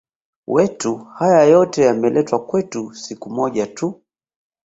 wetu haya yote yameletwa kwetu siku moja tu